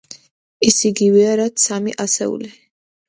ეს იგივეა, რაც სამი ასეული.